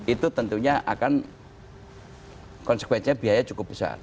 itu tentunya akan konsekuensinya biaya cukup besar